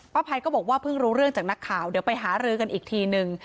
ภัยก็บอกว่าเพิ่งรู้เรื่องจากนักข่าวเดี๋ยวไปหารือกันอีกทีนึง